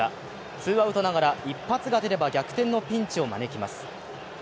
ツーアウトながら一発が出れば逆転のピンチを招きます。